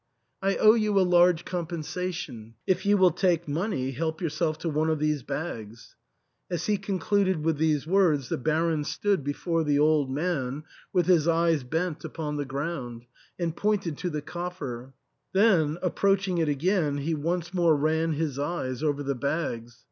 " I owe you a large compensation.; if you will take money, help yourself to one of these bags." As he concluded with these words, the Baron stood before the old man, with his eyes bent upon the ground, and pointed to the coffer ; then, approaching it again, he once more ran his eyes over the bags.